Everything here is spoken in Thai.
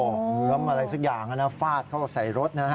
มือเขามาอะไรสักอย่างนะฟาดเขาใส่รถนะฮะ